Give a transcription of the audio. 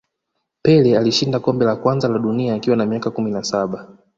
pele alishinda kombe la kwanza la dunia akiwa na miaka kumi na saba